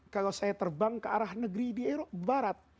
kalau saya terbang ke arah negeri di ero barat